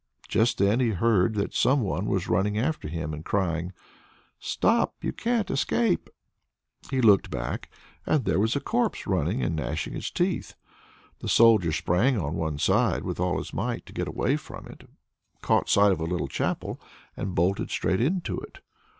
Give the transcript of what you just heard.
Just then he heard that some one was running after him, and crying: "Stop! you can't escape!" He looked back and there was a corpse running and gnashing its teeth. The Soldier sprang on one side with all his might to get away from it, caught sight of a little chapel, and bolted straight into it.